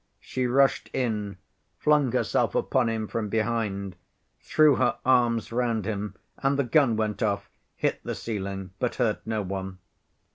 She rushed in, flung herself upon him from behind, threw her arms round him, and the gun went off, hit the ceiling, but hurt no one.